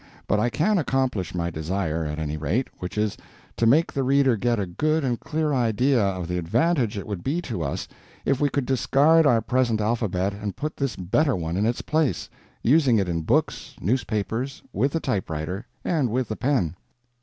But I can accomplish my desire, at any rate, which is, to make the reader get a good and clear idea of the advantage it would be to us if we could discard our present alphabet and put this better one in its place—using it in books, newspapers, with the typewriter, and with the pen.